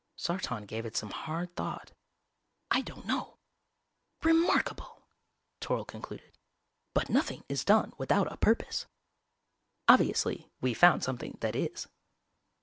_" Sartan gave it some hard thought. "I don't know!" "Remarkable!" Toryl concluded. "But nothing is done without a purpose." "_Obviously we've found something that is.